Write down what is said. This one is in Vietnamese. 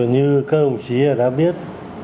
như các đồng chí đã biết